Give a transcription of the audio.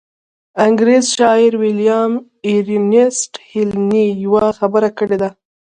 انګرېز شاعر ويليام ايرنيسټ هينلي يوه خبره کړې ده.